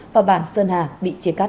và bản sơn hà bị chia cắt